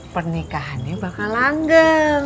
pernikahannya bakal langgeng